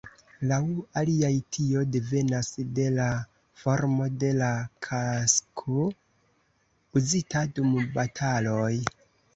Laŭ aliaj, tio devenas de la formo de la kasko uzita dum bataloj.